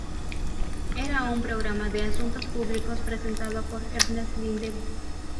Era un programa de asuntos públicos presentado por Ernest Lindley.